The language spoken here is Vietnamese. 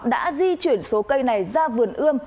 đã di chuyển số cây này ra vườn ươm